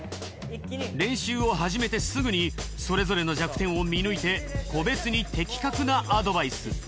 練習を始めてすぐにそれぞれの弱点を見抜いて個別に的確なアドバイス。